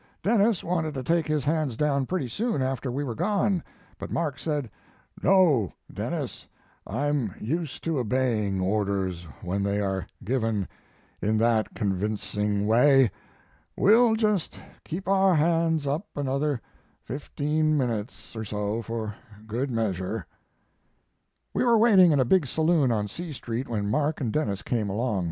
"Denis wanted to take his hands down pretty soon after we were gone, but Mark said: "'No, Denis, I'm used to obeying orders when they are given in that convincing way; we'll just keep our hands up another fifteen minutes or so for good measure.' "We were waiting in a big saloon on C Street when Mark and Denis came along.